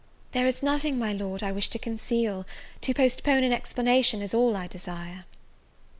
"There is nothing, my Lord, I wish to conceal, to postpone an explanation is all I desire."